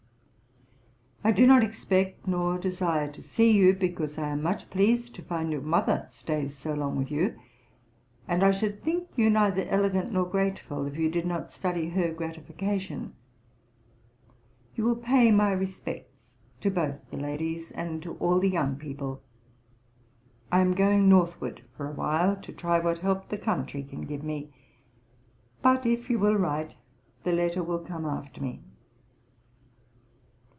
I do not expect nor desire to see you, because I am much pleased to find that your mother stays so long with you, and I should think you neither elegant nor grateful, if you did not study her gratification. You will pay my respects to both the ladies, and to all the young people. I am going Northward for a while, to try what help the country can give me; but, if you will write, the letter will come after me.'